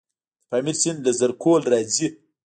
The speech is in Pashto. د پامیر سیند له زرکول راځي